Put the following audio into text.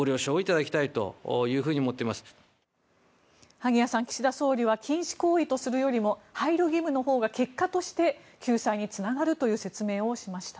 萩谷さん岸田総理は禁止行為とするよりも配慮義務のほうが結果として救済につながるという説明をしました。